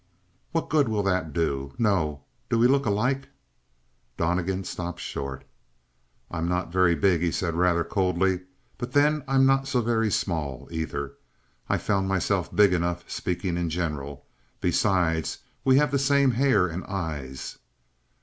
"What good will that do? No, do we look alike?" Donnegan stopped short. "I'm not very big," he said rather coldly, "but then I'm not so very small, either. I've found myself big enough, speaking in general. Besides, we have the same hair and eyes."